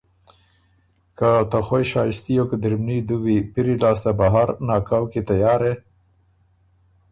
که ته خوئ شاشتي او قدِرمني دُوي پِری لاسته بهر ناکؤ کی تیار هې